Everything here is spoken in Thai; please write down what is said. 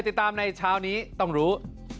ติดตามในเช้านี้ต้องรู้